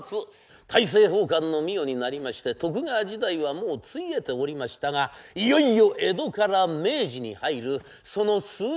大政奉還の御代になりまして徳川時代はもうついえておりましたがいよいよ江戸から明治に入るその数日間のお物語。